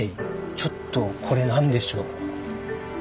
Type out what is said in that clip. ちょっとこれ何でしょう？